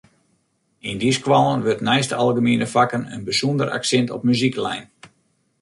Yn dy skoallen wurdt neist de algemiene fakken in bysûnder aksint op muzyk lein.